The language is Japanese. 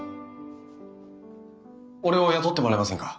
俺を雇ってもらえませんか？